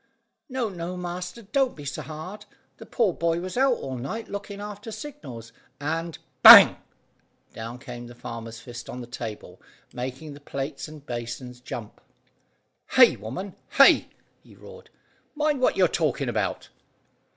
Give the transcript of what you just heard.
"No, no, master; don't be so hard. The poor boy was out all night looking after signals and " Bang! Down came the farmer's fist on the table making the plates and basins jump. "Hay, woman, hay!" he roared. "Mind what you're talking about!"